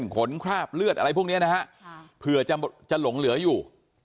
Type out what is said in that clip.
คราบเลือดอะไรพวกนี้นะฮะเผื่อจะหลงเหลืออยู่